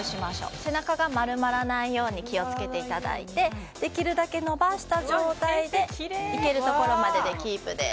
背中が丸まらないように気を付けていただいてできるだけ伸ばした状態でいけるところまでで、キープです。